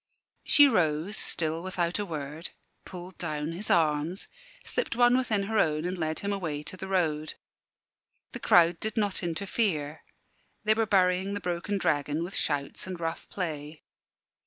She rose, still without a word, pulled down his arms, slipped one within her own, and led him away to the road. The crowd did not interfere; they were burying the broken dragon, with shouts and rough play.